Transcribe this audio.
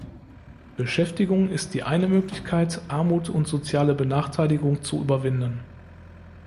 Beschäftigung ist die eine Möglichkeit, Armut und soziale Benachteiligung zu überwinden.